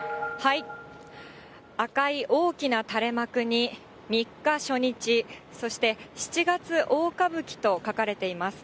赤い大きな垂れ幕に、三日初日、そして七月大歌舞伎と書かれています。